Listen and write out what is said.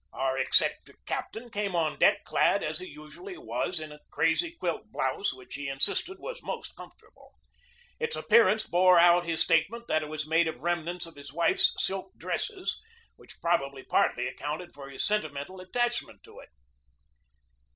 Our eccentric captain came on deck, clad, as he usually was, in a crazy quilt blouse which he insisted was most comfortable. Its appearance bore out his statement that it was made of remnants of his wife's silk dresses, which probably partly ac counted for his sentimental attachment to it.